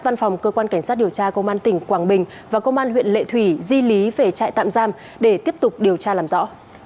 văn phòng cơ quan cảnh sát điều tra công an tỉnh quảng bình và công an huyện lệ thủy di lý về trại tạm giam để tiếp tục điều tra làm rõ